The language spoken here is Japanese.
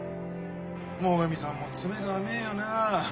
最上さんも詰めが甘えよなぁ。